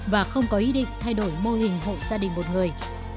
và không có ý định thay đổi mô hình hộ gia đình một người